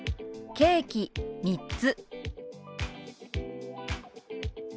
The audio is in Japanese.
「ケーキ３つ」。